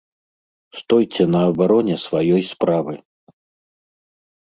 Стойце на абароне сваёй справы!